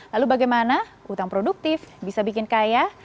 lalu bagaimana hutang produktif bisa bikin kaya